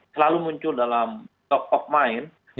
selalu muncul dalam top of mind